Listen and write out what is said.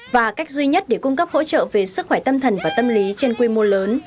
và cách duy nhất để cung cấp hỗ trợ về sức khỏe tâm thần và tâm lý trên quy mô lớn